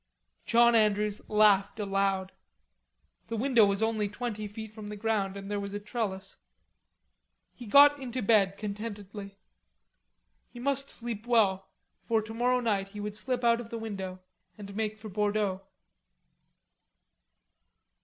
John Andrews laughed aloud. The window was only twenty feet from the ground, and there was a trellis. He got into bed contentedly. He must sleep well, for tomorrow night he would slip out of the window and make for Bordeaux.